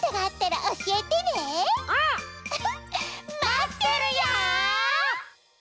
まってるよ！